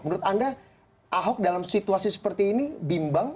menurut anda ahok dalam situasi seperti ini bimbang